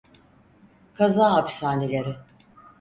Kaza hapishaneleri.